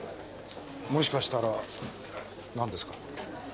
もしかしたら何ですか？